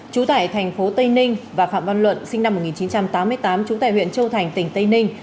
chú tải thành phố tây ninh và phạm văn luận sinh năm một nghìn chín trăm tám mươi tám chú tải huyện châu thành tỉnh tây ninh